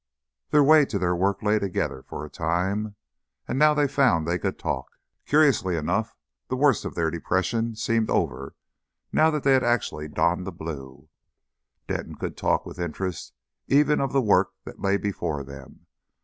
Their ways to their work lay together for a time. And now they found they could talk. Curiously enough, the worst of their depression seemed over now that they had actually donned the blue. Denton could talk with interest even of the work that lay before them.